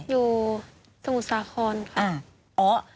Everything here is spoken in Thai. อยู่สมุสาครค่ะ